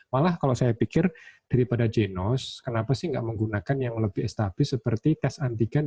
malah kalau saya pikir daripada genos kenapa sih nggak menggunakan yang lebih establis seperti tes antigen